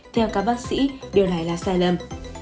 theo các bác sĩ điều này là sai lầm